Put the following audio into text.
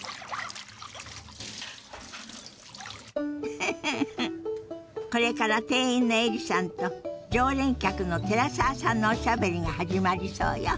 フフフフこれから店員のエリさんと常連客の寺澤さんのおしゃべりが始まりそうよ。